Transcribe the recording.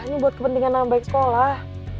ini buat kepentingan yang baik sekolah